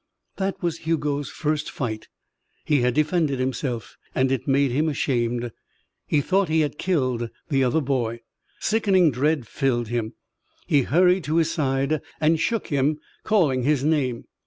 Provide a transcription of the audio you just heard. That was Hugo's first fight. He had defended himself, and it made him ashamed. He thought he had killed the other boy. Sickening dread filled him. He hurried to his side and shook him, calling his name.